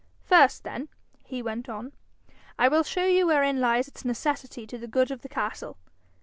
'First then,' he went on, 'I will show you wherein lies its necessity to the good of the castle.